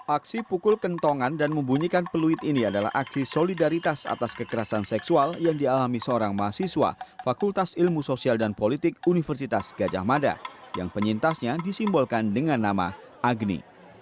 aksi pukul kentongan dan membunyikan peluit ini adalah aksi solidaritas atas kekerasan seksual yang dialami seorang mahasiswa fakultas ilmu sosial dan politik universitas gajah mada yang penyintasnya disimbolkan dengan nama agni